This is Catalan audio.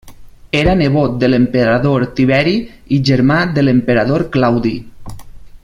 Era nebot de l'emperador Tiberi i germà de l'emperador Claudi.